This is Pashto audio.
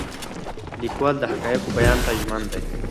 لیکوال د حقایقو بیان ته ژمن دی.